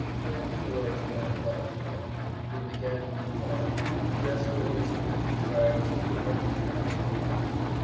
When towards one o'clock P. M. we began to move on we guessed that we were to be dragged to the country round Verdun.